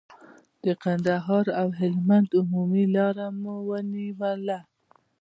د کندهار او هلمند عمومي لار مو ونیوله.